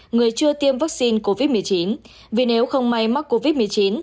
người chưa tiêm vaccine covid một mươi chín vì nếu không may mắc covid một mươi chín